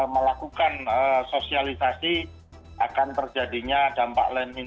melakukan sosialisasi akan terjadinya dampak landing